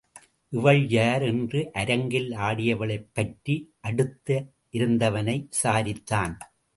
இவள் யார்? என்று அரங்கில் ஆடியவளைப் பற்றி அடுத்து இருந்தவனை விசாரித்தான்.